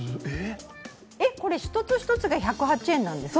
１つ１つが１０８円なんですか？